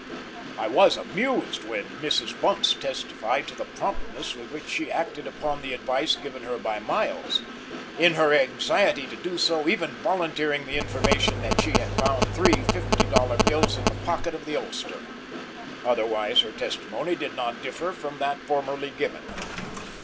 I was amused when Mrs. Bunce testified by the promptness with which she acted upon the advice given her by Miles; in her anxiety to do so even volunteering the information that she had found three fifty dollar bills in the pocket of the ulster; otherwise her testimony did not differ from that formerly given.